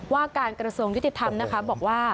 ว่าการกระทรวงยุติธรรมนะคะบอกว่า